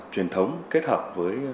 truyền thống kết hợp với